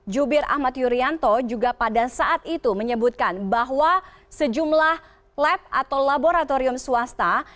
jubir ahmad yuryanto juga pada saat itu menyebutkan bahwa sejumlah lab atau laboratorium swasta